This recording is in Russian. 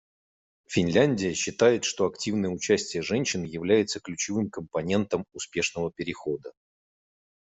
Финляндия считает, что активное участие женщин является ключевым компонентом успешного перехода.